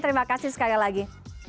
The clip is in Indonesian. terima kasih sekali lagi